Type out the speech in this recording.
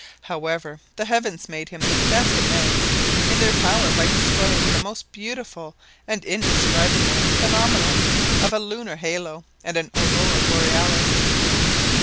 However, the heavens made him the best amends in their power by displaying the most beautiful and indescribable phenomena of a lunar halo and an Aurora Borealis.